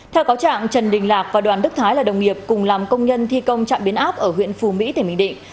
theo cáo trạng trần đình lạc và đoàn đức thái là đồng nghiệp cùng làm công nhân thi công trạm biến áp ở huyện phù mỹ tỉnh bình định